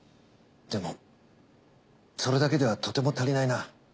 でもそれだけではとても足りないな。